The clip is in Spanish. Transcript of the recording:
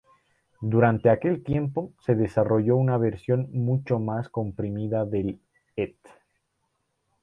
Durante aquel tiempo, se desarrolló una versión mucho más comprimida del "et".